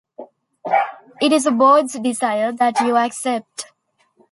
It is the board's desire that you accept.